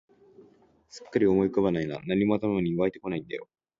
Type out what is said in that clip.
すっかり思い浮かばないな、何も頭に湧いてこないんだよ